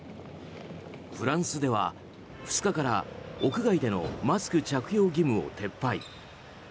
フランスでは２日から屋外でのマスク着用義務を撤廃。